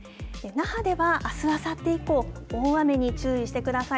那覇ではあす、あさって以降、大雨に注意してください。